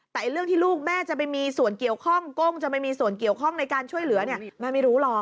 แต่เรื่องที่ลูกแม่จะไปมีส่วนเกี่ยวข้องก้งจะไม่มีส่วนเกี่ยวข้องในการช่วยเหลือเนี่ยแม่ไม่รู้หรอก